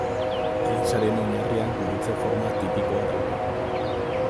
Elizaren oinarria gurutze forma tipikoa dauka.